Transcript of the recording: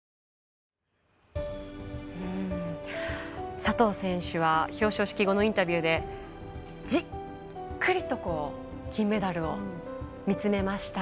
佐藤選手は表彰式後のインタビューで、じっくりと金メダルを見つめました。